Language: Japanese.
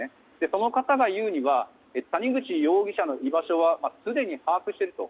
その方が言うには、谷口容疑者の居場所はすでに把握していると。